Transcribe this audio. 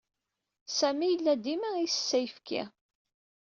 Sami yella dima isess ayefki.